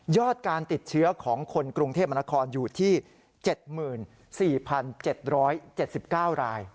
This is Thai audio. การติดเชื้อของคนกรุงเทพมนครอยู่ที่๗๔๗๗๙ราย